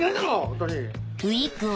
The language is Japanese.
ホントに。